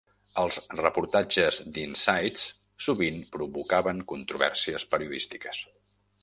Els reportatges de "Insight's" sovint provocaven controvèrsies periodístiques.